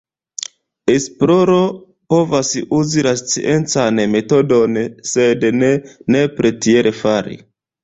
Esploro povas uzi la sciencan metodon, sed ne nepre tiel fari.